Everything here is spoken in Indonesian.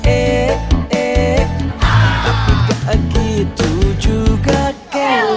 eh eh tapi gak gitu juga keren